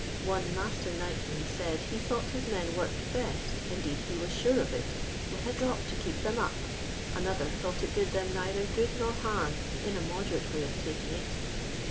One master nightman said, he thought his men worked best, indeed he was sure of it, " with a drop to keep them up ;" another thought it did them neither good nor harm, "in a moderate way of taking it."